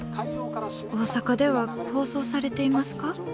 大阪では放送されていますか？」。